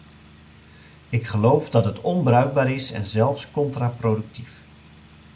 Ik geloof dat het onbruikbaar is en zelfs contraproductief.